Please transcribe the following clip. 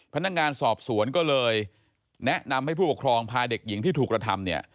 พนักงานสอบสวนก็เลยแนะนำให้ผู้ปกครองพาเด็กหญิงที่ถูกกระทำเนี่ย